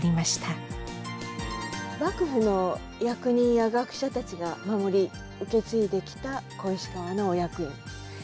幕府の役人や学者たちが守り受け継いできた小石川の御薬園。